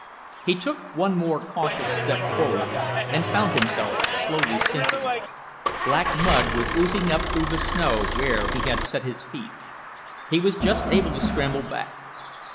He took one more cautious step forward and found himself slowly sinking. Black mud was oozing up through the snow where he had set his feet. He was just able to scramble back.